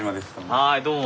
はいどうも。